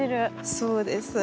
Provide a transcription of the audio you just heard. そうです。